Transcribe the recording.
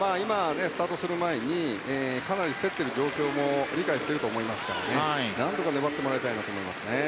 スタートする前にかなり競っている状況も理解していると思いますから何とか粘ってもらいたいなと思います。